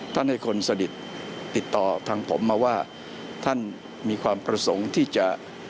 ให้คนสนิทติดต่อทางผมมาว่าท่านมีความประสงค์ที่จะ